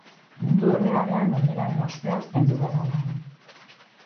Mundu errealean norberaren ospea zaindu beharra dago.